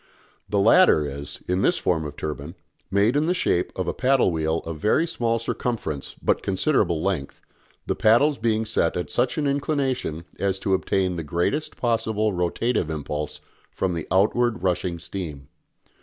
The latter is, in this form of turbine, made in the shape of a paddle wheel of very small circumference but considerable length, the paddles being set at such an inclination as to obtain the greatest possible rotative impulse from the outward rushing steam.